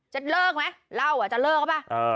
จะเลิกไหมเหล้าอ่ะจะเลิกใช่ไหม